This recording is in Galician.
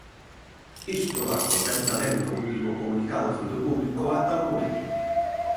Isto acontece tamén no último comunicado feito público ata o momento.